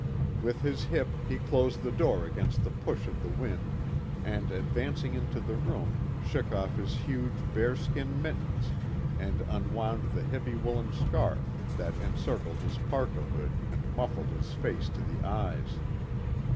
With his hip he closed the door against the push of the wind, and advancing into the room, shook off his huge bear skin mittens and unwound the heavy woolen scarf that encircled his parka hood and muffled his face to the eyes.